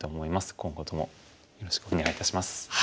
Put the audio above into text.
今後ともよろしくお願いいたします。